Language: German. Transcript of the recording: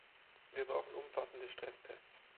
Wir brauchen umfassende Stresstests.